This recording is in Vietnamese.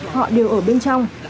họ đều ở bên trong